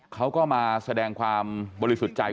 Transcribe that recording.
เขาก็มาแสดงความบริสุทธิ์ใจ